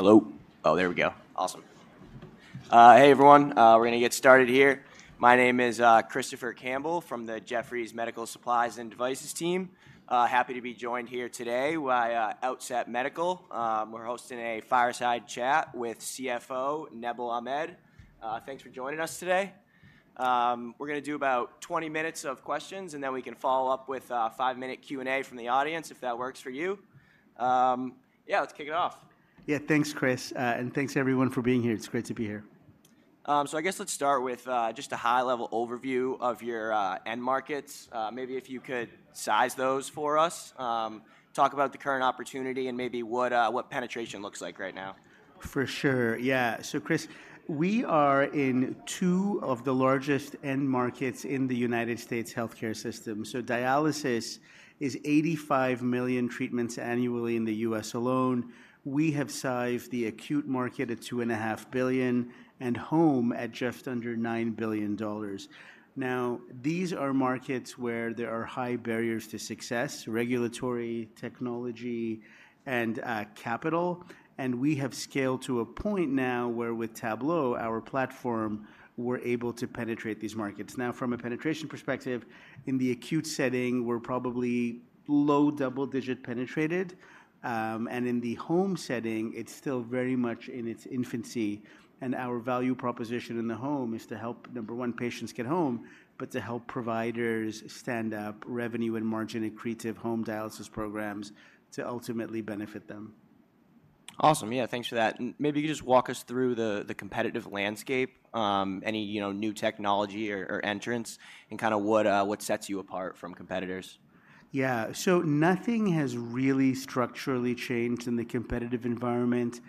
Hello? Oh, there we go. Awesome. Hey, everyone. We're gonna get started here. My name is Christopher Campbell from the Jefferies Medical Supplies and Devices team. Happy to be joined here today by Outset Medical. We're hosting a fireside chat with CFO Nabeel Ahmed. Thanks for joining us today. We're gonna do about 20 minutes of questions, and then we can follow up with a 5-minute Q&A from the audience, if that works for you. Yeah, let's kick it off. Yeah. Thanks, Chris. And thanks everyone for being here. It's great to be here. So, I guess let's start with just a high-level overview of your end markets. Maybe if you could size those for us. Talk about the current opportunity and maybe what penetration looks like right now. For sure. Yeah. So, Chris, we are in two of the largest end markets in the United States healthcare system. So dialysis is 85 million treatments annually in the U.S. alone. We have sized the acute market at $2.5 billion and home at just under $9 billion. Now, these are markets where there are high barriers to success: regulatory, technology, and capital. And we have scaled to a point now where with Tablo, our platform, we're able to penetrate these markets. Now, from a penetration perspective, in the acute setting, we're probably low double-digit penetrated. And in the home setting, it's still very much in its infancy, and our value proposition in the home is to help, number one, patients get home, but to help providers stand up revenue and margin-accretive home dialysis programs to ultimately benefit them. Awesome. Yeah, thanks for that. And maybe you could just walk us through the competitive landscape, any, you know, new technology or entrants, and kinda what sets you apart from competitors? Yeah. So nothing has really structurally changed in the competitive environment.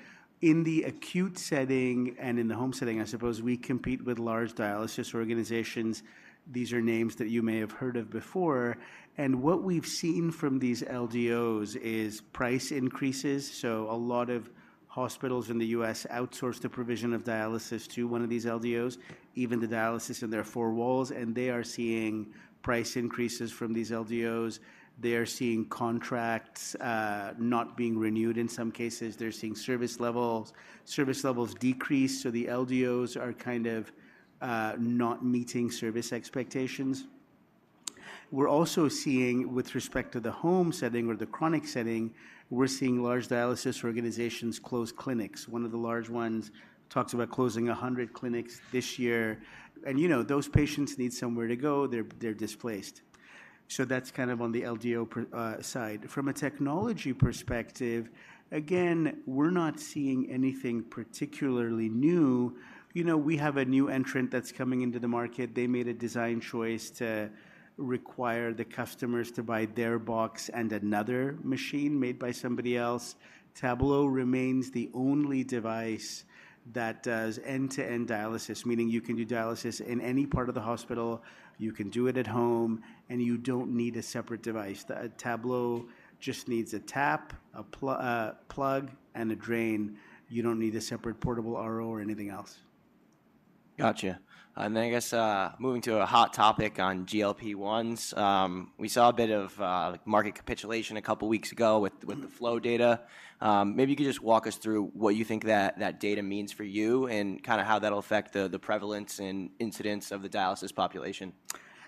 In the acute setting and in the home setting, I suppose we compete with large dialysis organizations. These are names that you may have heard of before, and what we've seen from these LDOs is price increases. So a lot of hospitals in the U.S. outsource the provision of dialysis to one of these LDOs, even the dialysis in their four walls, and they are seeing price increases from these LDOs. They are seeing contracts not being renewed in some cases. They're seeing service levels, service levels decrease, so the LDOs are kind of not meeting service expectations. We're also seeing, with respect to the home setting or the chronic setting, we're seeing large dialysis organizations close clinics. One of the large ones talks about closing 100 clinics this year, and, you know, those patients need somewhere to go. They're, they're displaced. So that's kind of on the LDO side. From a technology perspective, again, we're not seeing anything particularly new. You know, we have a new entrant that's coming into the market. They made a design choice to require the customers to buy their box and another machine made by somebody else. Tablo remains the only device that does end-to-end dialysis, meaning you can do dialysis in any part of the hospital, you can do it at home, and you don't need a separate device. The Tablo just needs a tap, a plug, and a drain. You don't need a separate Portable RO or anything else. Gotcha. And then, I guess, moving to a hot topic on GLP-1s. We saw a bit of, like market capitulation a couple of weeks ago with- Mm... with the FLOW data. Maybe you could just walk us through what you think that, that data means for you and kinda how that'll affect the, the prevalence and incidence of the dialysis population.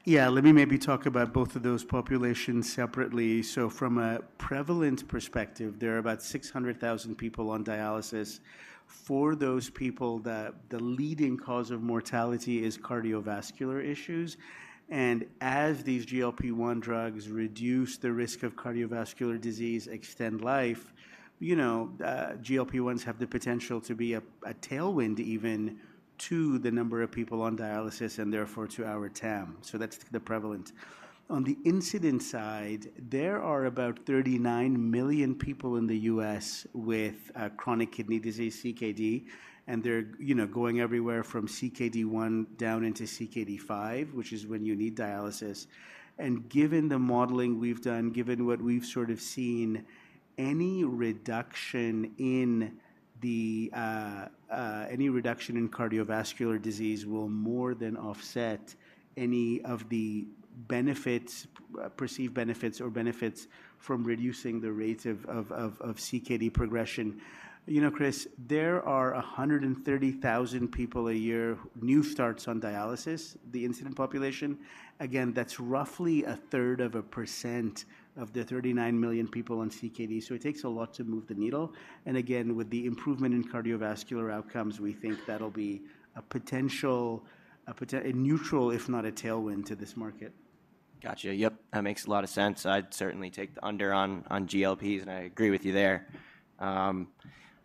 Yeah, let me maybe talk about both of those populations separately. So from a prevalence perspective, there are about 600,000 people on dialysis. For those people, the leading cause of mortality is cardiovascular issues, and as these GLP-1 drugs reduce the risk of cardiovascular disease, extend life, you know, GLP-1s have the potential to be a tailwind even to the number of people on dialysis and therefore to our TAM. So that's the prevalent. On the incident side, there are about 39 million people in the U.S. with chronic kidney disease, CKD, and they're, you know, going everywhere from CKD 1 down into CKD 5, which is when you need dialysis. Given the modeling we've done, given what we've sort of seen, any reduction in the cardiovascular disease will more than offset any of the benefits, perceived benefits or benefits from reducing the rates of CKD progression. You know, Chris, there are 130,000 people a year, new starts on dialysis, the incident population. Again, that's roughly a third of a % of the 39 million people on CKD, so it takes a lot to move the needle. And again, with the improvement in cardiovascular outcomes, we think that'll be a potential neutral, if not a tailwind to this market. Gotcha. Yep, that makes a lot of sense. I'd certainly take the under on GLPs, and I agree with you there. I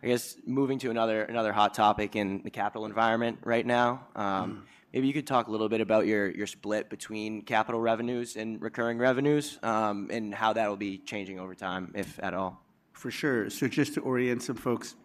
guess moving to another hot topic in the capital environment right now. Maybe you could talk a little bit about your split between capital revenues and recurring revenues, and how that will be changing over time, if at all. For sure. So just to orient some folks,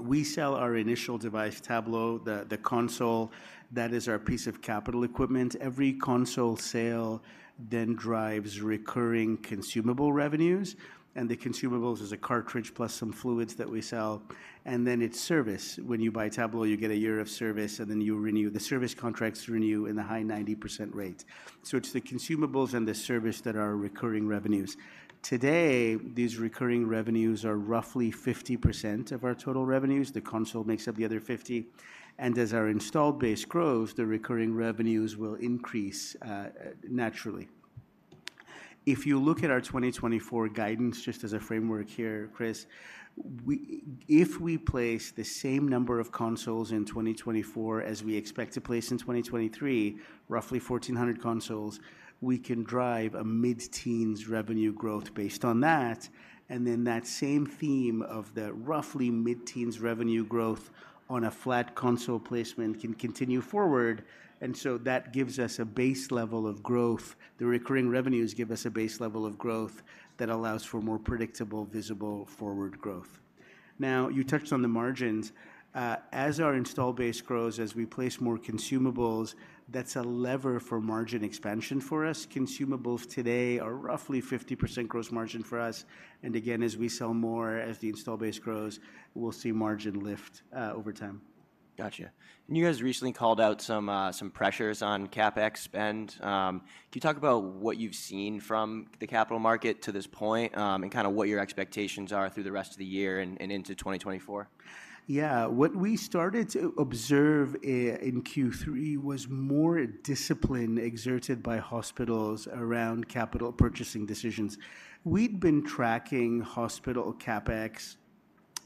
we sell our initial device, Tablo, the console. That is our piece of capital equipment. Every console sale then drives recurring consumable revenues, and the consumables is a cartridge plus some fluids that we sell, and then it's service. When you buy Tablo, you get a year of service, and then you renew. The service contracts renew in the high 90% rate. So it's the consumables and the service that are recurring revenues. Today, these recurring revenues are roughly 50% of our total revenues. The console makes up the other 50, and as our installed base grows, the recurring revenues will increase naturally. If you look at our 2024 guidance, just as a framework here, Chris, if we place the same number of consoles in 2024 as we expect to place in 2023, roughly 1,400 consoles, we can drive a mid-teens revenue growth based on that, and then that same theme of the roughly mid-teens revenue growth on a flat console placement can continue forward. And so that gives us a base level of growth. The recurring revenues give us a base level of growth that allows for more predictable, visible forward growth. Now, you touched on the margins. As our install base grows, as we place more consumables, that's a lever for margin expansion for us. Consumables today are roughly 50% gross margin for us, and again, as we sell more, as the install base grows, we'll see margin lift over time. Gotcha. You guys recently called out some pressures on CapEx spend. Can you talk about what you've seen from the capital market to this point, and kinda what your expectations are through the rest of the year and into 2024? Yeah. What we started to observe in Q3 was more discipline exerted by hospitals around capital purchasing decisions. We'd been tracking hospital CapEx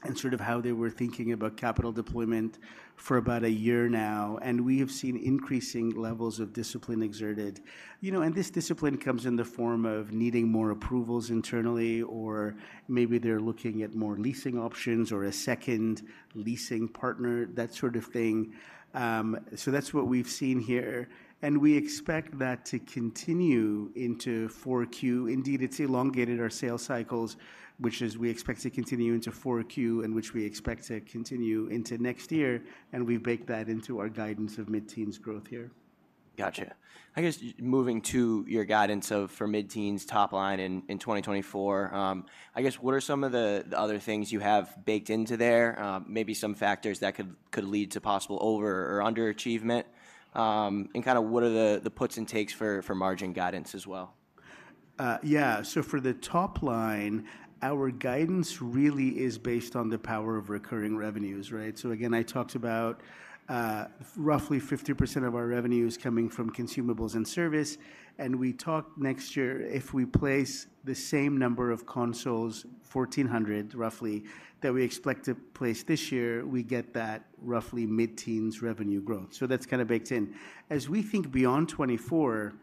and sort of how they were thinking about capital deployment for about a year now, and we have seen increasing levels of discipline exerted. You know, and this discipline comes in the form of needing more approvals internally, or maybe they're looking at more leasing options or a second leasing partner, that sort of thing. So that's what we've seen here, and we expect that to continue into 4Q. Indeed, it's elongated our sales cycles, which is we expect to continue into 4Q, and which we expect to continue into next year, and we bake that into our guidance of mid-teens growth here. Gotcha. I guess moving to your guidance for mid-teens top line in 2024, I guess what are some of the other things you have baked into there? Maybe some factors that could lead to possible over or under achievement, and kinda what are the puts and takes for margin guidance as well? Yeah. So for the top line, our guidance really is based on the power of recurring revenues, right? So again, I talked about, roughly 50% of our revenue is coming from consumables and service, and we talked next year, if we place the same number of consoles, 1,400, roughly, that we expect to place this year, we get that roughly mid-teens revenue growth. So that's kinda baked in. As we think beyond 2024,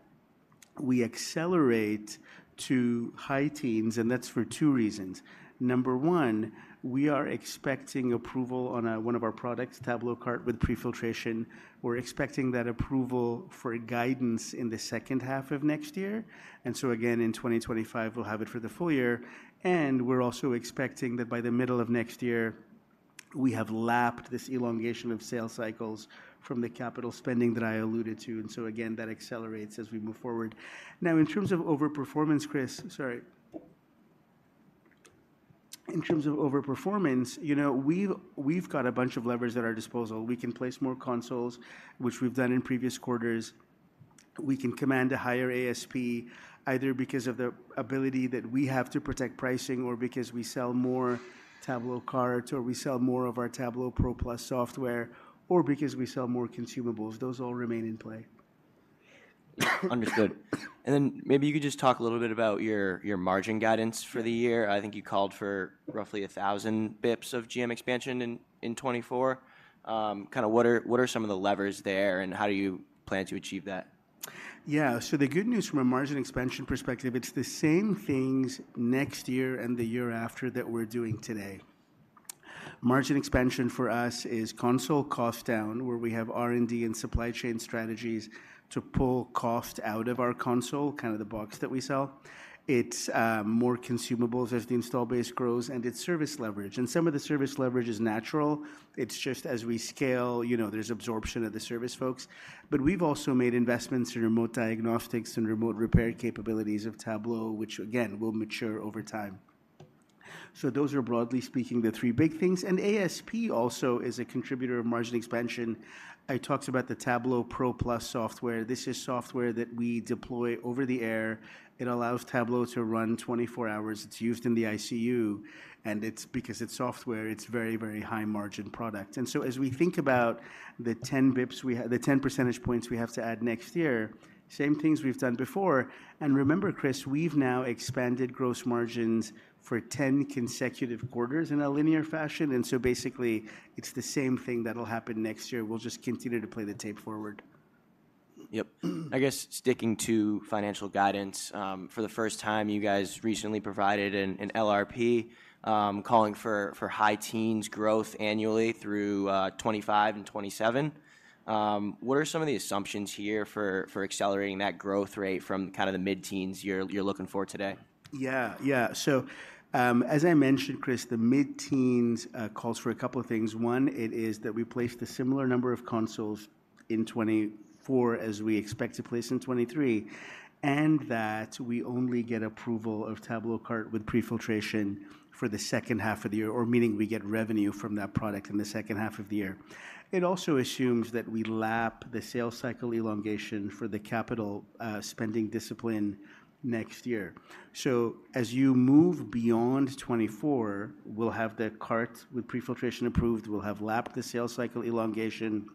we accelerate to high teens, and that's for two reasons. Number one, we are expecting approval on, one of our products, TabloCart with Prefiltration. We're expecting that approval for a guidance in the H2 of next year, and so again, in 2025, we'll have it for the full year. And we're also expecting that by the middle of next year, we have lapped this elongation of sales cycles from the capital spending that I alluded to, and so again, that accelerates as we move forward. Now, in terms of overperformance, Chris - sorry. In terms of overperformance, you know, we've got a bunch of levers at our disposal. We can place more consoles, which we've done in previous quarters. We can command a higher ASP, either because of the ability that we have to protect pricing or because we sell more TabloCarts, or we sell more of our Tablo Pro+ software, or because we sell more consumables. Those all remain in play. Understood. And then maybe you could just talk a little bit about your margin guidance for the year. I think you called for roughly 1,000 basis points of GM expansion in 2024. Kinda what are some of the levers there, and how do you plan to achieve that? Yeah. So the good news from a margin expansion perspective, it's the same things next year and the year after that we're doing today. Margin expansion for us is console cost down, where we have R&D and supply chain strategies to pull cost out of our console, kind of the box that we sell. It's more consumables as the install base grows, and it's service leverage. And some of the service leverage is natural. It's just as we scale, you know, there's absorption of the service folks. But we've also made investments in remote diagnostics and remote repair capabilities of Tablo, which again, will mature over time. So those are, broadly speaking, the three big things, and ASP also is a contributor of margin expansion. I talked about the Tablo Pro Plus software. This is software that we deploy over the air. It allows Tablo to run 24 hours. It's used in the ICU, and it's because it's software, it's very, very high margin product. And so as we think about the 10 percentage points we have to add next year, same things we've done before. And remember, Chris, we've now expanded gross margins for 10 consecutive quarters in a linear fashion, and so basically, it's the same thing that'll happen next year. We'll just continue to play the tape forward. Yep. I guess sticking to financial guidance, for the first time, you guys recently provided an LRP, calling for high teens growth annually through 25 and 27. What are some of the assumptions here for accelerating that growth rate from kind of the mid-teens you're looking for today? Yeah, yeah. So, as I mentioned, Chris, the mid-teens calls for a couple of things. One, it is that we place the similar number of consoles in 2024 as we expect to place in 2023, and that we only get approval of TabloCart with Prefiltration for the H2 of the year, or meaning we get revenue from that product in the H2 of the year. It also assumes that we lap the sales cycle elongation for the capital spending discipline next year. So as you move beyond 2024, we'll have the cart with Prefiltration approved, we'll have lapped the sales cycle elongation.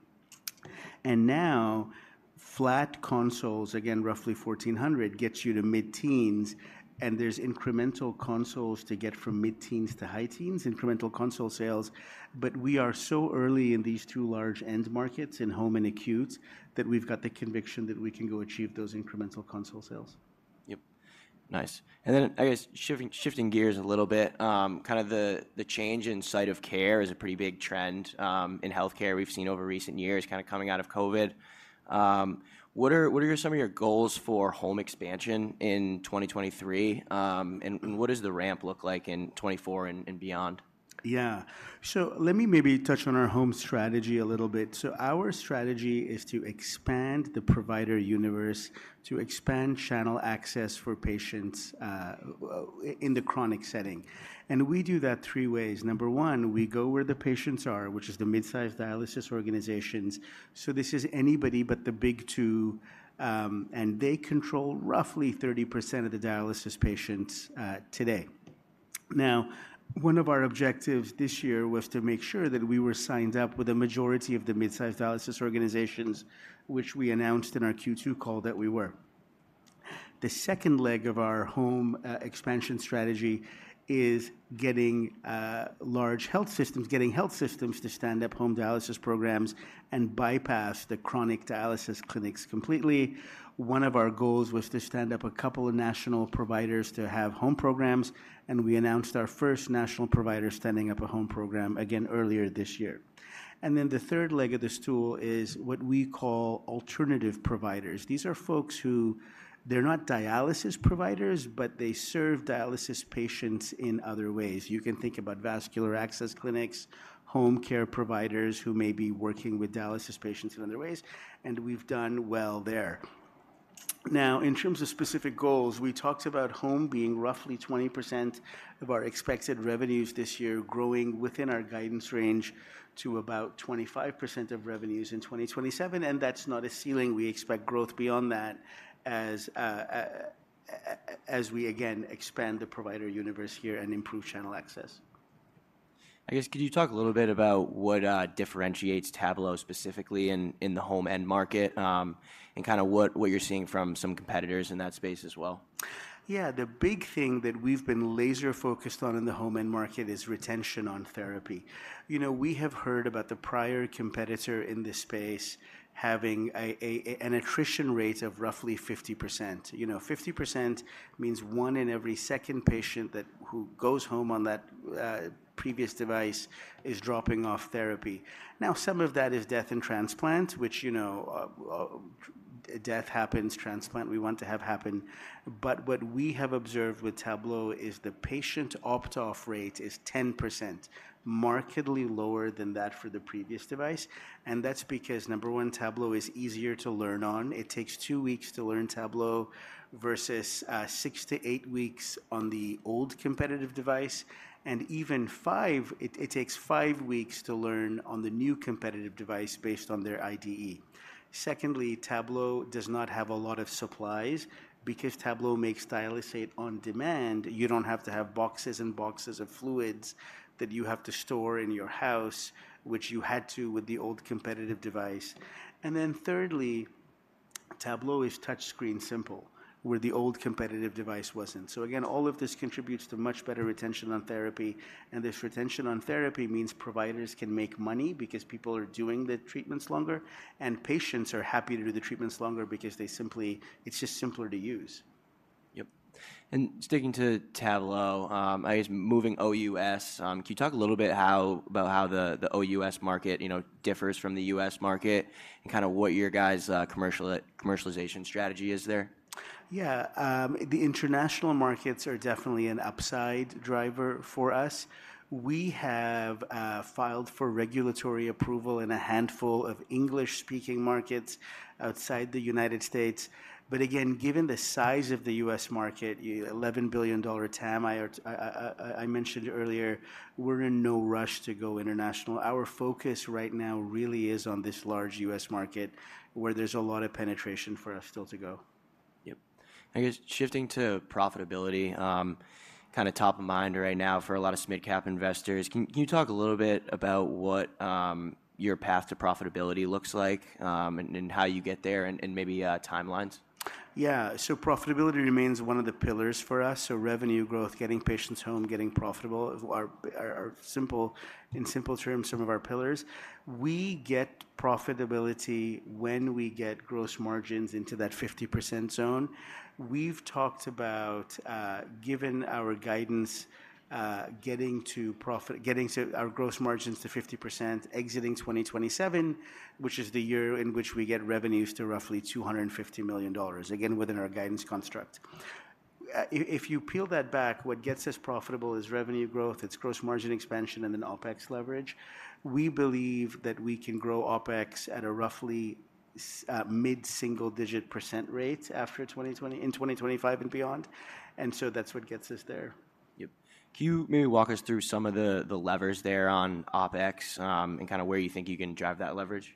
And now, flat consoles, again, roughly 1,400, gets you to mid-teens, and there's incremental consoles to get from mid-teens to high teens, incremental console sales. But we are so early in these two large end markets, in home and acutes, that we've got the conviction that we can go achieve those incremental console sales. Yep. Nice. And then, I guess, shifting gears a little bit, kind of the change in site of care is a pretty big trend in healthcare we've seen over recent years, kind of coming out of COVID. What are some of your goals for home expansion in 2023? And what does the ramp look like in 2024 and beyond? Yeah. So let me maybe touch on our home strategy a little bit. So our strategy is to expand the provider universe, to expand channel access for patients, in the chronic setting, and we do that three ways. Number one, we go where the patients are, which is the mid-size dialysis organizations. So this is anybody but the big two, and they control roughly 30% of the dialysis patients today. Now, one of our objectives this year was to make sure that we were signed up with a majority of the mid-size dialysis organizations, which we announced in our Q2 call that we were. The second leg of our home expansion strategy is getting large health systems, getting health systems to stand up home dialysis programs and bypass the chronic dialysis clinics completely. One of our goals was to stand up a couple of national providers to have home programs, and we announced our first national provider standing up a home program, again, earlier this year. Then the third leg of this stool is what we call alternative providers. These are folks who they're not dialysis providers, but they serve dialysis patients in other ways. You can think about vascular access clinics, home care providers who may be working with dialysis patients in other ways, and we've done well there. Now, in terms of specific goals, we talked about home being roughly 20% of our expected revenues this year, growing within our guidance range to about 25% of revenues in 2027, and that's not a ceiling. We expect growth beyond that as we, again, expand the provider universe here and improve channel access. I guess, could you talk a little bit about what differentiates Tablo specifically in the home end market, and kinda what you're seeing from some competitors in that space as well? Yeah. The big thing that we've been laser focused on in the home end market is retention on therapy. You know, we have heard about the prior competitor in this space having an attrition rate of roughly 50%. You know, 50% means one in every second patient who goes home on that previous device is dropping off therapy. Now, some of that is death and transplant, which, you know, death happens, transplant we want to have happen. But what we have observed with Tablo is the patient opt-off rate is 10%, markedly lower than that for the previous device, and that's because, number one, Tablo is easier to learn on. It takes 2 weeks to learn Tablo versus 6-8 weeks on the old competitive device, and even 5 weeks to learn on the new competitive device based on their IDE. Secondly, Tablo does not have a lot of supplies. Because Tablo makes dialysate on demand, you don't have to have boxes and boxes of fluids that you have to store in your house, which you had to with the old competitive device. And then thirdly, Tablo is touchscreen simple, where the old competitive device wasn't. So again, all of this contributes to much better retention on therapy, and this retention on therapy means providers can make money because people are doing the treatments longer, and patients are happy to do the treatments longer because they simply—it's just simpler to use. Yep. And sticking to Tablo, I guess moving OUS, can you talk a little bit about how the OUS market, you know, differs from the US market, and kinda what your guys' commercialization strategy is there? Yeah, the international markets are definitely an upside driver for us. We have filed for regulatory approval in a handful of English-speaking markets outside the United States. But again, given the size of the U.S. market, the $11 billion TAM I mentioned earlier, we're in no rush to go international. Our focus right now really is on this large U.S. market, where there's a lot of penetration for us still to go. Yep. I guess, shifting to profitability, kind of top of mind right now for a lot of midcap investors, can you talk a little bit about what your path to profitability looks like, and how you get there and maybe timelines? Yeah. So profitability remains one of the pillars for us, so revenue growth, getting patients home, getting profitable are simple, in simple terms, some of our pillars. We get profitability when we get gross margins into that 50% zone. We've talked about, given our guidance, getting to our gross margins to 50%, exiting 2027, which is the year in which we get revenues to roughly $250 million, again, within our guidance construct. If you peel that back, what gets us profitable is revenue growth, it's gross margin expansion, and then OpEx leverage. We believe that we can grow OpEx at a roughly mid-single-digit % rate after 2025 and beyond... and so that's what gets us there. Yep. Can you maybe walk us through some of the levers there on OpEx, and kinda where you think you can drive that leverage?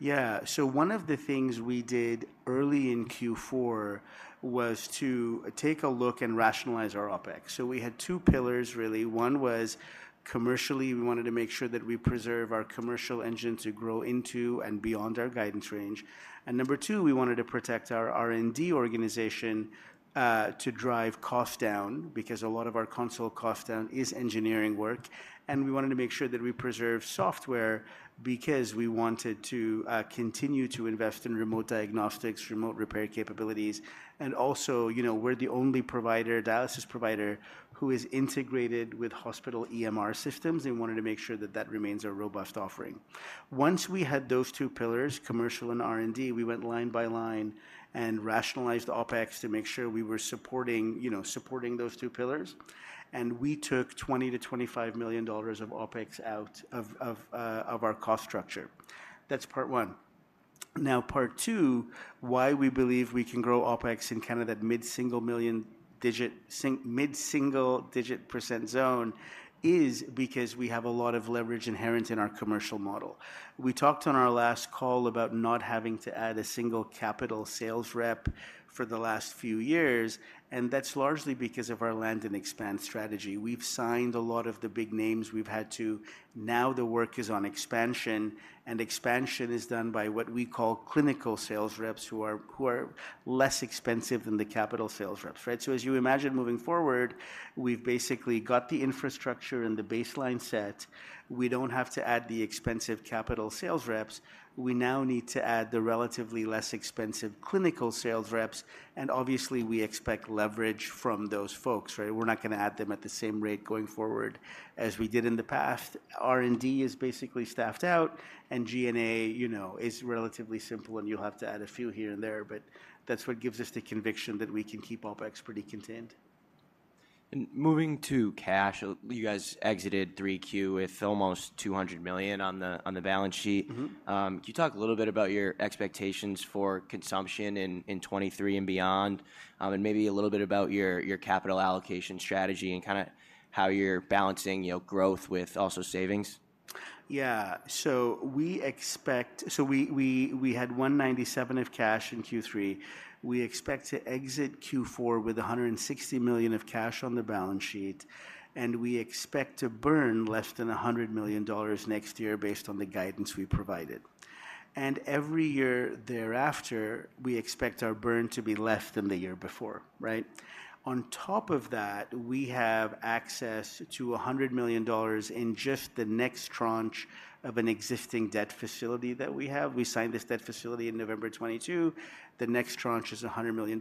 Yeah. So one of the things we did early in Q4 was to take a look and rationalize our OpEx. So we had two pillars, really. One was commercially, we wanted to make sure that we preserve our commercial engine to grow into and beyond our guidance range. And number two, we wanted to protect our R&D organization to drive cost down, because a lot of our console cost down is engineering work, and we wanted to make sure that we preserve software because we wanted to continue to invest in remote diagnostics, remote repair capabilities. And also, you know, we're the only provider, dialysis provider, who is integrated with hospital EMR systems, and we wanted to make sure that that remains a robust offering. Once we had those two pillars, commercial and R&D, we went line by line and rationalized OpEx to make sure we were supporting, you know, supporting those two pillars. And we took $20 million-$25 million of OpEx out of, of, of our cost structure. That's part one. Now, part two, why we believe we can grow OpEx in kind of that mid-single digit % zone, is because we have a lot of leverage inherent in our commercial model. We talked on our last call about not having to add a single capital sales rep for the last few years, and that's largely because of our land and expand strategy. We've signed a lot of the big names we've had to. Now, the work is on expansion, and expansion is done by what we call clinical sales reps, who are less expensive than the capital sales reps, right? So as you imagine moving forward, we've basically got the infrastructure and the baseline set. We don't have to add the expensive capital sales reps. We now need to add the relatively less expensive clinical sales reps, and obviously, we expect leverage from those folks, right? We're not gonna add them at the same rate going forward as we did in the past. R&D is basically staffed out, and G&A, you know, is relatively simple, and you'll have to add a few here and there, but that's what gives us the conviction that we can keep OpEx pretty contained. Moving to cash, you guys exited 3Q with almost $200 million on the balance sheet. Mm-hmm. Can you talk a little bit about your expectations for consumption in 2023 and beyond, and maybe a little bit about your capital allocation strategy and kinda how you're balancing, you know, growth with also savings? Yeah. So we expect—So we had $197 million of cash in Q3. We expect to exit Q4 with $160 million of cash on the balance sheet, and we expect to burn less than $100 million next year based on the guidance we provided. And every year thereafter, we expect our burn to be less than the year before, right? On top of that, we have access to $100 million in just the next tranche of an existing debt facility that we have. We signed this debt facility in November 2022. The next tranche is $100 million.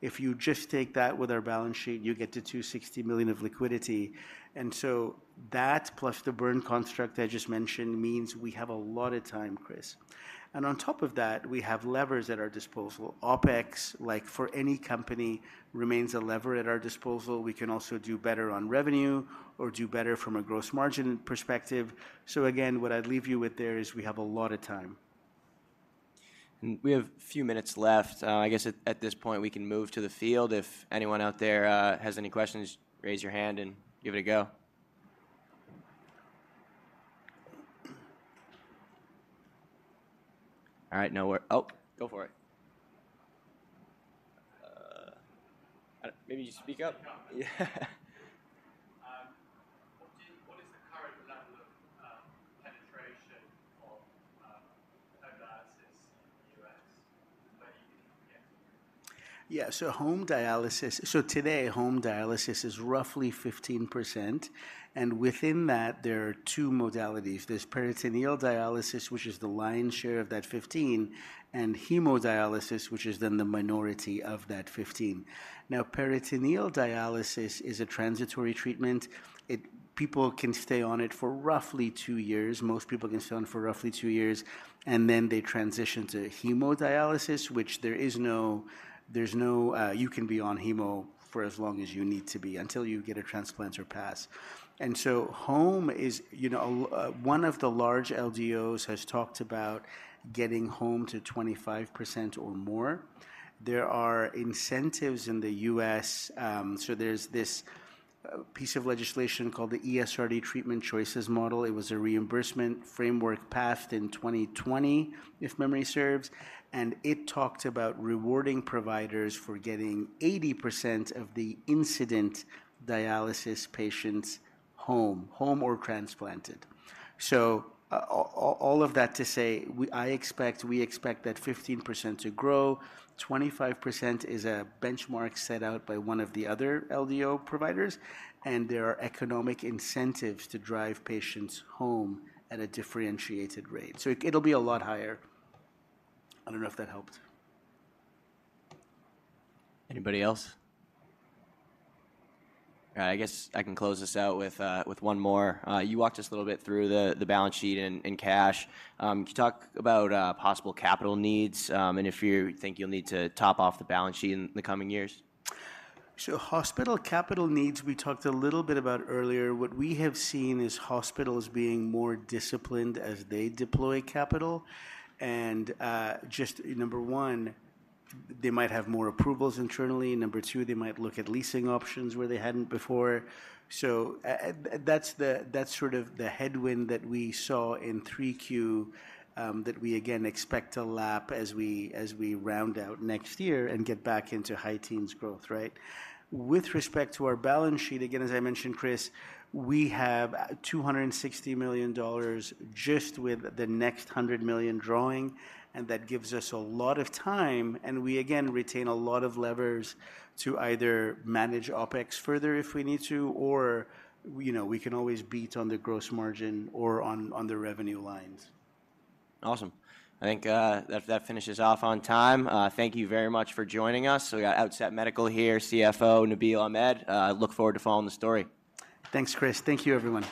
If you just take that with our balance sheet, you get to $260 million of liquidity. And so that, plus the burn construct I just mentioned, means we have a lot of time, Chris. On top of that, we have levers at our disposal. OpEx, like for any company, remains a lever at our disposal. We can also do better on revenue or do better from a gross margin perspective. Again, what I'd leave you with there is we have a lot of time. We have a few minutes left. I guess at this point, we can move to the field. If anyone out there has any questions, raise your hand and give it a go. All right. Oh, go for it. Maybe you speak up. I can speak up. Yeah. What is the current level of penetration of home dialysis in the US that you can get? Yeah, so home dialysis. So today, home dialysis is roughly 15%, and within that, there are two modalities. There's peritoneal dialysis, which is the lion's share of that 15, and hemodialysis, which is then the minority of that 15. Now, peritoneal dialysis is a transitory treatment. It. People can stay on it for roughly two years. Most people can stay on it for roughly two years, and then they transition to hemodialysis, which there is no, there's no. You can be on hemo for as long as you need to be, until you get a transplant or pass. And so home is, you know, a large LDO has talked about getting home to 25% or more. There are incentives in the U.S., so there's this piece of legislation called the ESRD Treatment Choices Model. It was a reimbursement framework passed in 2020, if memory serves, and it talked about rewarding providers for getting 80% of the incident dialysis patients home or transplanted. So all of that to say, we expect that 15% to grow. 25% is a benchmark set out by one of the other LDO providers, and there are economic incentives to drive patients home at a differentiated rate. So it, it'll be a lot higher. I don't know if that helped. Anybody else? I guess I can close this out with one more. You walked us a little bit through the balance sheet and cash. Can you talk about possible capital needs, and if you think you'll need to top off the balance sheet in the coming years? So hospital capital needs, we talked a little bit about earlier. What we have seen is hospitals being more disciplined as they deploy capital, and just number 1, they might have more approvals internally. And number 2, they might look at leasing options where they hadn't before. So, that's the, that's sort of the headwind that we saw in 3Q, that we again expect to lap as we, as we round out next year and get back into high teens growth, right? With respect to our balance sheet, again, as I mentioned, Chris, we have $260 million just with the next $100 million drawing, and that gives us a lot of time, and we again retain a lot of levers to either manage OpEx further if we need to, or, you know, we can always beat on the gross margin or on the revenue lines. Awesome. I think that finishes off on time. Thank you very much for joining us. So we got Outset Medical here, CFO Nabeel Ahmed. Look forward to following the story. Thanks, Chris. Thank you, everyone.